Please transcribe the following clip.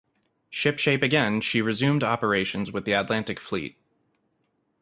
Shipshape again, she resumed operations with the Atlantic Fleet.